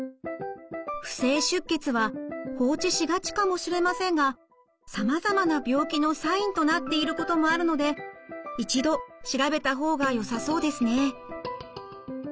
不正出血は放置しがちかもしれませんがさまざまな病気のサインとなっていることもあるので一度調べた方がよさそうですね。